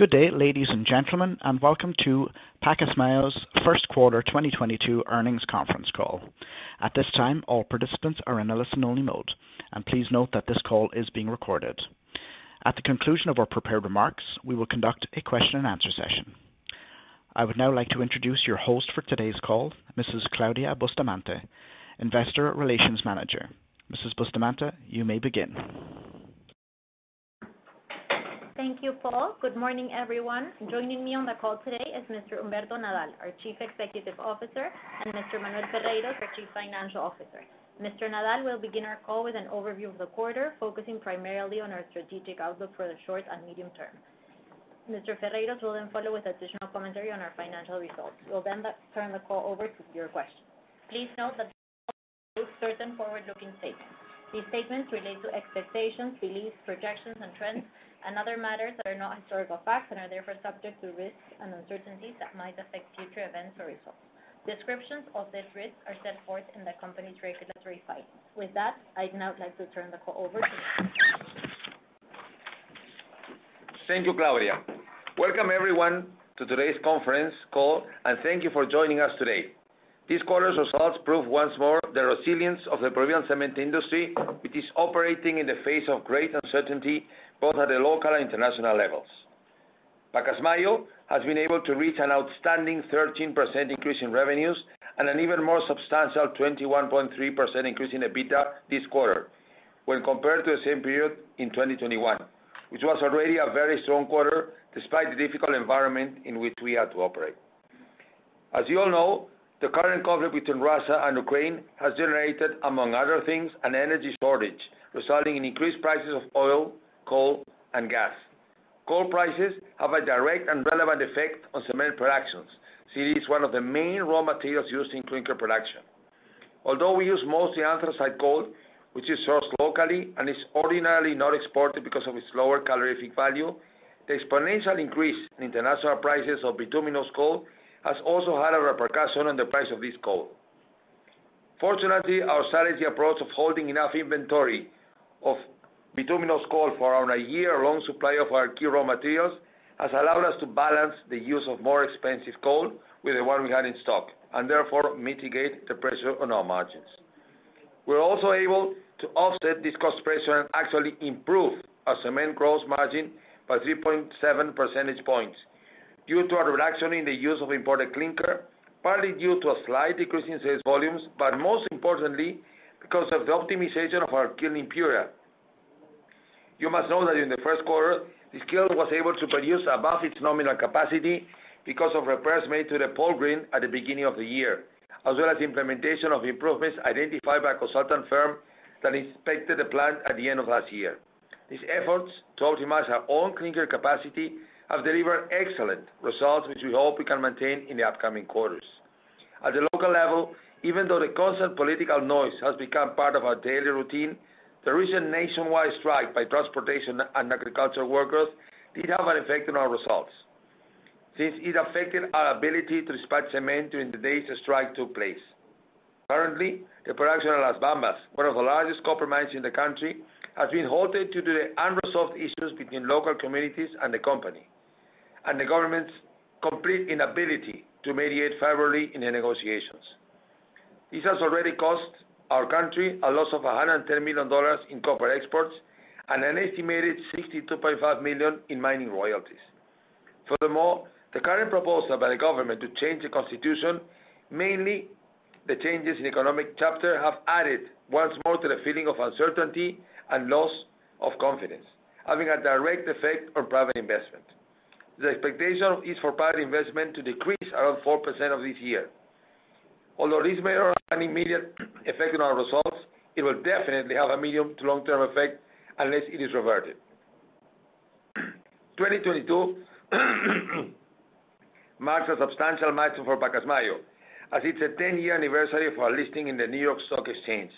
Good day, ladies and gentlemen, and welcome to Pacasmayo's First Quarter 2022 Earnings Conference Call. At this time, all participants are in a listen-only mode. Please note that this call is being recorded. At the conclusion of our prepared remarks, we will conduct a question-and-answer session. I would now like to introduce your host for today's call, Mrs. Claudia Bustamante, Investor Relations Manager. Mrs. Bustamante, you may begin. Thank you, Paul. Good morning, everyone. Joining me on the call today is Mr. Humberto Nadal, our Chief Executive Officer, and Mr. Manuel Ferreyros, our Chief Financial Officer. Mr. Nadal will begin our call with an overview of the quarter, focusing primarily on our strategic outlook for the short and medium term. Mr. Ferreyros will then follow with additional commentary on our financial results. We'll then turn the call over to your questions. Please note that this call includes certain forward-looking statements. These statements relate to expectations, beliefs, projections, and trends and other matters that are not historical facts, and are therefore subject to risks and uncertainties that might affect future events or results. Descriptions of these risks are set forth in the company's regulatory filings. With that, I'd now like to turn the call over to [Mr. Nadal]. Thank you, Claudia. Welcome everyone to today's conference call, and thank you for joining us today. This quarter's results prove once more the resilience of the Peruvian cement industry, which is operating in the face of great uncertainty, both at the local and international levels. Pacasmayo has been able to reach an outstanding 13% increase in revenues, and an even more substantial 21.3% increase in EBITDA this quarter when compared to the same period in 2021, which was already a very strong quarter despite the difficult environment in which we had to operate. As you all know, the current conflict between Russia and Ukraine has generated, among other things, an energy shortage, resulting in increased prices of oil, coal, and gas. Coal prices have a direct and relevant effect on cement production. See, it is one of the main raw materials used in clinker production. Although we use mostly anthracite coal, which is sourced locally and is ordinarily not exported because of its lower calorific value, the exponential increase in international prices of bituminous coal has also had a repercussion on the price of this coal. Fortunately, our strategy approach of holding enough inventory of bituminous coal for around a year-long supply of our key raw materials, has allowed us to balance the use of more expensive coal with the one we had in stock, and therefore mitigate the pressure on our margins. We're also able to offset this cost pressure and actually improve our cement gross margin by 3.7 percentage points due to a reduction in the use of imported clinker, partly due to a slight decrease in sales volumes, but most importantly because of the optimization of our kiln in Piura. You must know that in the first quarter, this kiln was able to produce above its nominal capacity because of repairs made to the kiln at the beginning of the year, as well as implementation of improvements identified by a consultant firm that inspected the plant at the end of last year. These efforts to optimize our own clinker capacity have delivered excellent results, which we hope we can maintain in the upcoming quarters. At the local level, even though the constant political noise has become part of our daily routine, the recent nationwide strike by transportation and agricultural workers did have an effect on our results, since it affected our ability to dispatch cement during the days the strike took place. Currently, the production at Las Bambas, one of the largest copper mines in the country, has been halted due to the unresolved issues between local communities and the company, and the government's complete inability to mediate favorably in the negotiations. This has already cost our country a loss of $110 million in copper exports, and an estimated $62.5 million in mining royalties. Furthermore, the current proposal by the government to change the constitution, mainly the changes in economic chapter, have added once more to the feeling of uncertainty and loss of confidence, having a direct effect on private investment. The expectation is for private investment to decrease around 4% for this year. Although this may not have an immediate effect on our results, it will definitely have a medium- to long-term effect unless it is reverted. 2022 marks a substantial milestone for Pacasmayo, as it's the 10-year anniversary for our listing in the New York Stock Exchange.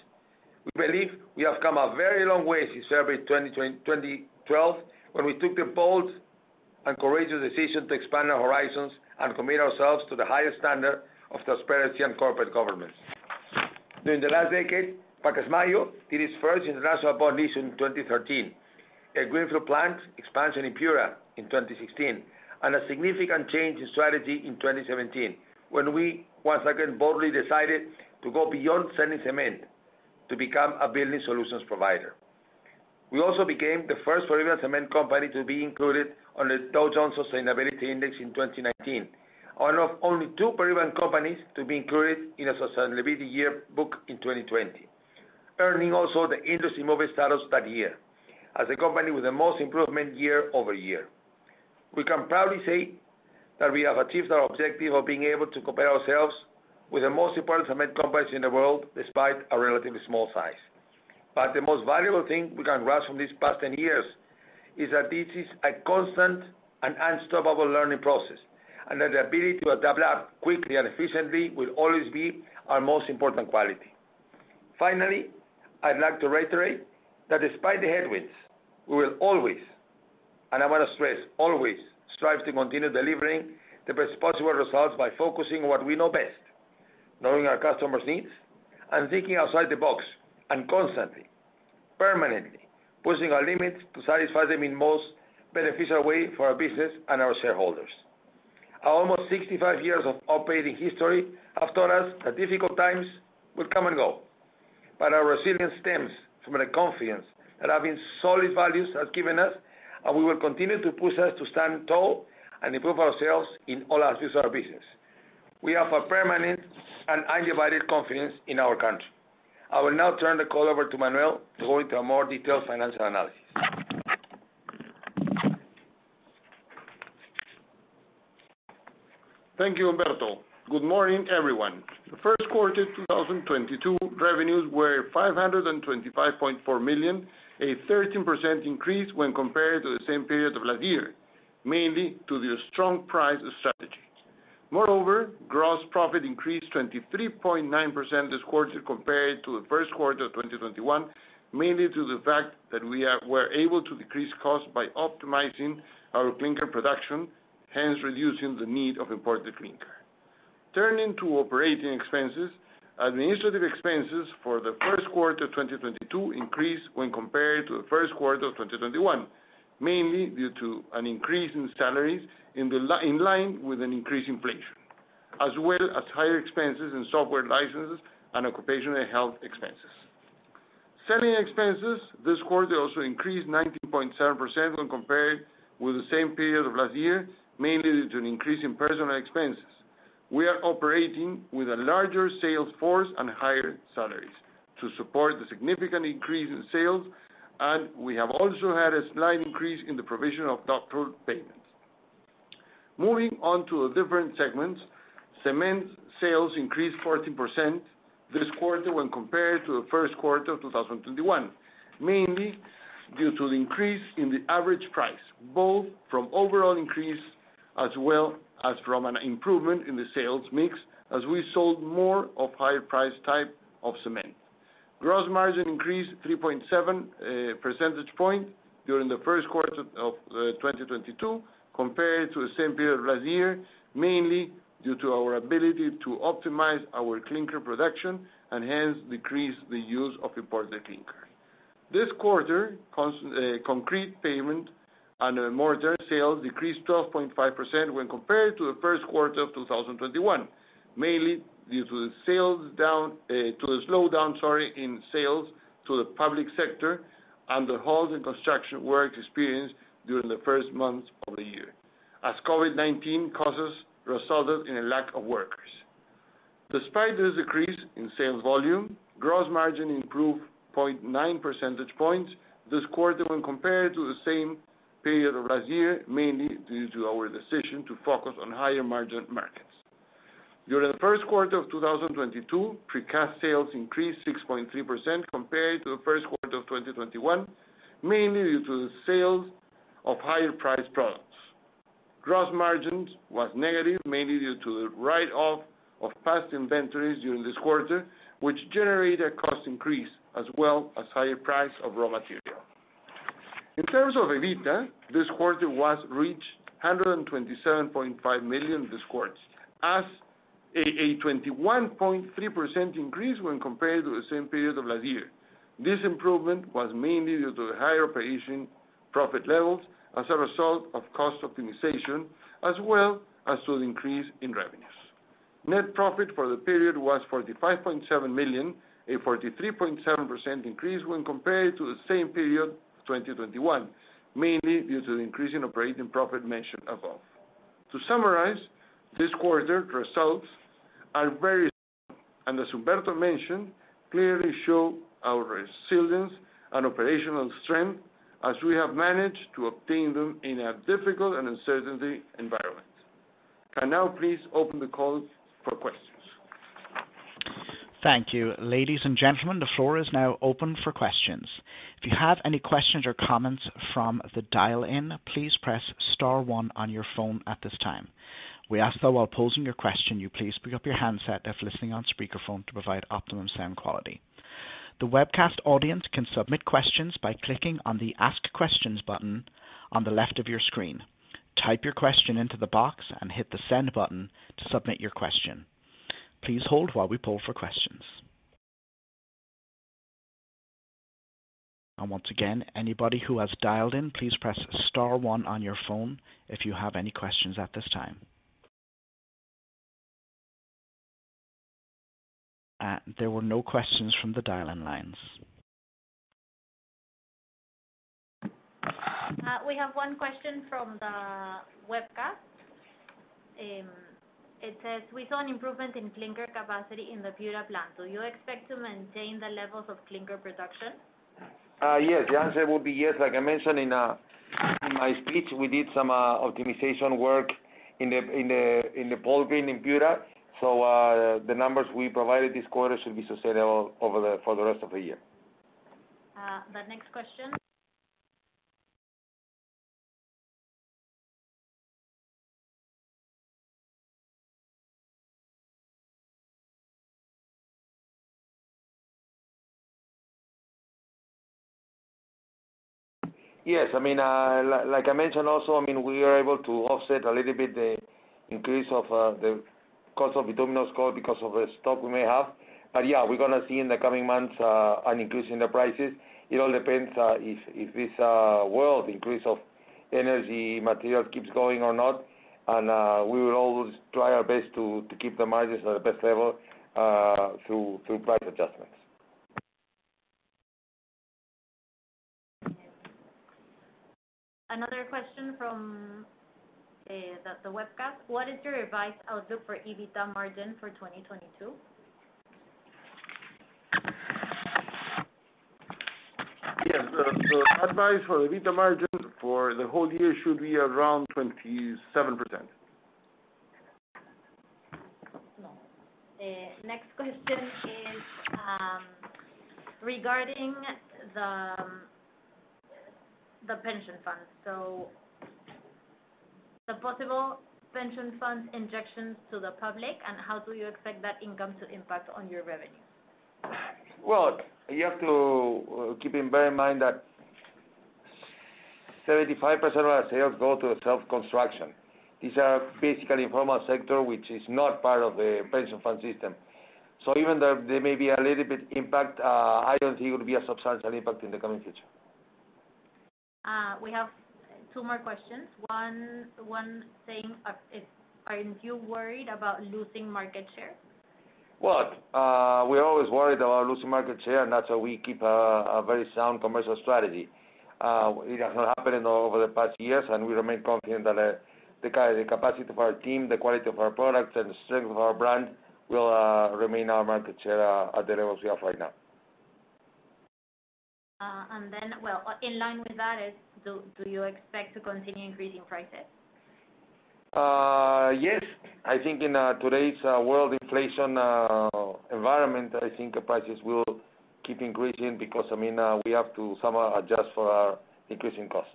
We believe we have come a very long way since February 2012, when we took the bold and courageous decision to expand our horizons, and commit ourselves to the highest standard of transparency and corporate governance. During the last decade, Pacasmayo did its first international bond issue in 2013, a greenfield plant expansion in Piura in 2016, and a significant change in strategy in 2017, when we once again boldly decided to go beyond selling cement to become a building solutions provider. We also became the first Peruvian cement company to be included on the Dow Jones Sustainability Index in 2019. One of only two Peruvian companies to be included in a sustainability yearbook in 2020. Earning also the Industry Mover status that year, as the company with the most improvement year-over-year, we can proudly say that we have achieved our objective of being able to compare ourselves with the most important cement companies in the world, despite our relatively small size. The most valuable thing we can grasp from these past 10 years is that this is a constant and unstoppable learning process, and that the ability to adapt quickly and efficiently will always be our most important quality. Finally, I'd like to reiterate that despite the headwinds, we will always, and I want to stress always, strive to continue delivering the best possible results by focusing on what we know best. Knowing our customers' needs and thinking outside the box and constantly, permanently pushing our limits to satisfy them in most beneficial way for our business and our shareholders. Our almost 65 years of operating history have taught us that difficult times will come and go. Our resilience stems from the confidence that having solid values has given us, and will continue to push us to stand tall and improve ourselves in all aspects of our business. We have a permanent and undivided confidence in our country. I will now turn the call over to Manuel to go into a more detailed financial analysis. Thank you, Humberto. Good morning, everyone. The first quarter 2022 revenues were PEN 525.4 million, a 13% increase when compared to the same period of last year, mainly due to the strong price strategies. Moreover, gross profit increased 23.9% this quarter compared to the first quarter of 2021, mainly due to the fact that we were able to decrease costs by optimizing our clinker production, hence reducing the need of imported clinker. Turning to operating expenses, administrative expenses for the first quarter of 2022 increased when compared to the first quarter of 2021, mainly due to an increase in salaries in line with an increased inflation, as well as higher expenses in software licenses and occupational health expenses. Selling expenses this quarter also increased 19.7% when compared with the same period of last year, mainly due to an increase in personal expenses. We are operating with a larger sales force and higher salaries to support the significant increase in sales, and we have also had a slight increase in the provision of [doubtful accounts]. Moving on to the different segments. Cement sales increased 14% this quarter when compared to the first quarter of 2021, mainly due to the increase in the average price, both from overall increase as well as from an improvement in the sales mix as we sold more of higher price type of cement. Gross margin increased 3.7 percentage points during the first quarter of 2022 compared to the same period of last year, mainly due to our ability to optimize our clinker production and hence decrease the use of imported clinker. This quarter concrete pavement and mortar sales decreased 12.5% when compared to the first quarter of 2021, mainly due to the slowdown, sorry, in sales to the public sector and the halt in construction work experienced during the first months of the year, as COVID-19 causes resulted in a lack of workers. Despite this decrease in sales volume, gross margin improved 0.9 percentage points this quarter when compared to the same period of last year, mainly due to our decision to focus on higher margin markets. During the first quarter of 2022, precast sales increased 6.3% compared to the first quarter of 2021, mainly due to the sales of higher priced products. Gross margins was negative, mainly due to the write-off of past inventories during this quarter, which generated a cost increase as well as higher price of raw material. In terms of EBITDA, this quarter has reached PEN 127.5 million this quarter. As a 21.3% increase when compared to the same period of last year, this improvement was mainly due to the higher operation profit levels as a result of cost optimization, as well as to the increase in revenues. Net profit for the period was PEN 45.7 million, a 43.7% increase when compared to the same period of 2021, mainly due to the increase in operating profit mentioned above. To summarize, this quarter results are very [strong], and as Humberto mentioned, clearly show our resilience and operational strength as we have managed to obtain them in a difficult and uncertain environment. You can now please open the call for questions. Thank you. Ladies and gentlemen, the floor is now open for questions. If you have any questions or comments from the dial-in, please press star, one on your phone at this time. We ask that while posing your question you please pick up your handset if listening on speakerphone to provide optimum sound quality. The webcast audience can submit questions by clicking on the ask questions button on the left of your screen. Type your question into the box and hit the send button to submit your question. Please hold while we poll for questions. Once again, anybody who has dialed in, please press star one on your phone if you have any questions at this time. There were no questions from the dial-in lines. We have one question from the webcast. It says, we saw an improvement in clinker capacity in the Piura plant. Do you expect to maintain the levels of clinker production? Yes. The answer would be yes. Like I mentioned in my speech, we did some optimization work in the plant in Piura. The numbers we provided this quarter should be sustainable for the rest of the year. The next question. Yes. I mean, like I mentioned also, I mean, we are able to offset a little bit the increase of the cost of the bituminous coal, because of the stock we may have. Yeah, we're going to see in the coming months an increase in the prices. It all depends if this world increase of energy material keeps going or not. We will always try our best to keep the margins at the best level through price adjustments. Another question from the webcast. What is your revised outlook for EBITDA margin for 2022? Yes, the revised for the EBITDA margin for the whole year should be around 27%. Now, the next question is regarding the pension fund. The possible pension fund injections to the public, and how do you expect that income to impact on your revenue? Well, you have to bear in mind that 75% of our sales go to self-construction. These are basically informal sector, which is not part of the pension fund system. Even though there may be a little bit impact, I don't think it would be a substantial impact in the coming future. We have two more questions. One saying, aren't you worried about losing market share? We're always worried about losing market share, and that's why we keep a very sound commercial strategy. It has not happened over the past years, and we remain confident that the capacity of our team, the quality of our products, and the strength of our brand will remain our market share at the levels we have right now. Well, in line with that is, do you expect to continue increasing prices? Yes. I think in today's world inflation environment, I think the prices will keep increasing, because I mean we have to somehow adjust for our increasing costs.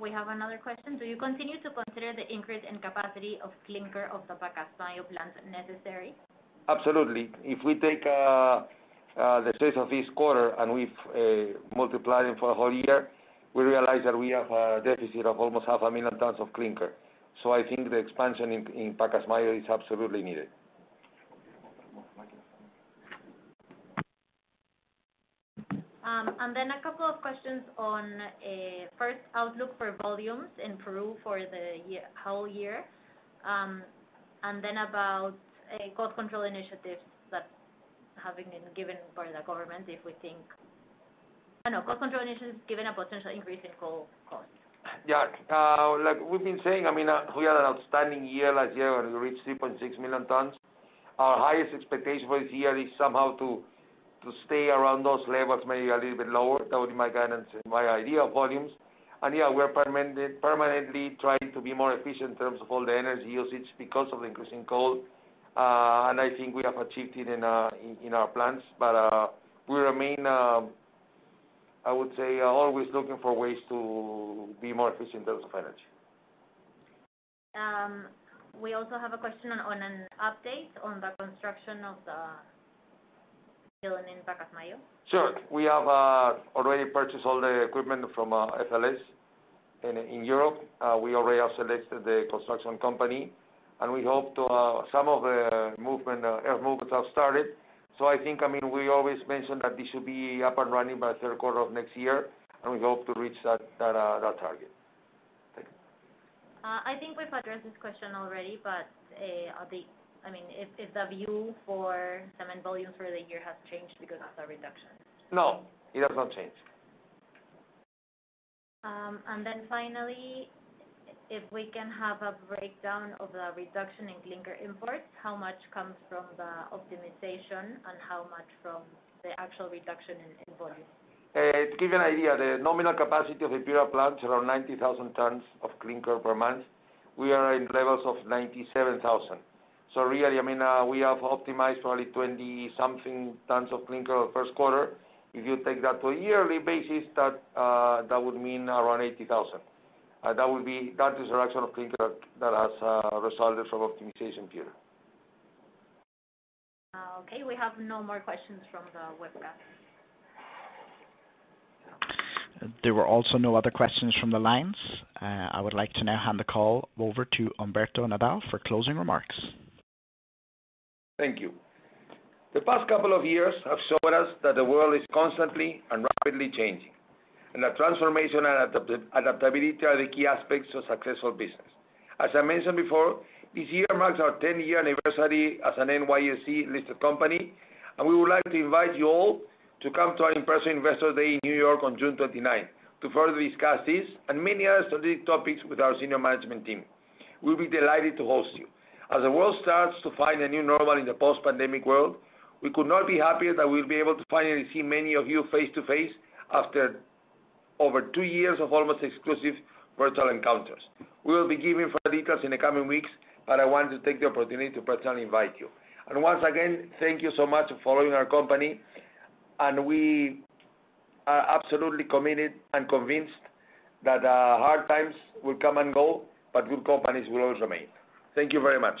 We have another question. Do you continue to consider the increase in capacity of clinker of the Pacasmayo plant necessary? Absolutely. If we take the sales of this quarter and we multiply them for a whole year, we realize that we have a deficit of almost half a million tons of clinker. I think the expansion in Pacasmayo is absolutely needed. A couple of questions on first outlook for volumes in Peru for the whole year. About cost control initiatives that have been given by the government given a potential increase in coal costs. Yeah. Like we've been saying, I mean, we had an outstanding year last year, and we reached 3.6 million tons. Our highest expectation for this year is somehow to stay around those levels, maybe a little bit lower. That would be my guidance and my idea of volumes. Yeah, we're permanently trying to be more efficient in terms of all the energy usage, because of the increasing coal. I think we have achieved it in our plans. We remain, I would say, always looking for ways to be more efficient in terms of energy. We also have a question on an update on the construction of the kiln in Pacasmayo. Sure. We have already purchased all the equipment from FLS in Europe. We already have selected the construction company, and some of the earth movements have started. I think, I mean, we always mention that this should be up and running by third quarter of next year, and we hope to reach that target. Thank you. I think we've addressed this question already, but I mean, if the view for cement volumes for the year has changed because of the reduction. No, it has not changed. Finally, if we can have a breakdown of the reduction in clinker imports, how much comes from the optimization and how much from the actual reduction in volume? To give you an idea, the nominal capacity of the Piura plant is around 90,000 t of clinker per month. We are in levels of 97,000. Really, I mean, we have optimized probably 20-something tons of clinker the first quarter. If you take that to a yearly basis, that would mean around 80,000. That is the reduction of clinker that has resulted from optimization period. Okay, we have no more questions from the webcast. There were also no other questions from the lines. I would like to now hand the call over to Humberto Nadal for closing remarks. Thank you. The past couple of years have shown us that the world is constantly and rapidly changing, and that transformation and adaptability are the key aspects to successful business. As I mentioned before, this year marks our 10-year anniversary as an NYSE-listed company, and we would like to invite you all to come to our in-person Investor Day in New York on June 29 to further discuss this and many other strategic topics with our senior management team. We'll be delighted to host you. As the world starts to find a new normal in the post-pandemic world, we could not be happier that we'll be able to finally see many of you face-to-face after over two years of almost exclusive virtual encounters. We will be giving further details in the coming weeks, but I want to take the opportunity to personally invite you. Once again, thank you so much for following our company, and we are absolutely committed and convinced that hard times will come and go, but good companies will always remain. Thank you very much.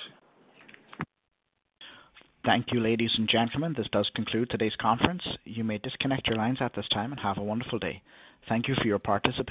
Thank you, ladies and gentlemen. This does conclude today's conference. You may disconnect your lines at this time, and have a wonderful day. Thank you for your participation.